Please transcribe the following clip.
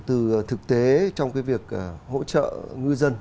từ thực tế trong việc hỗ trợ ngư dân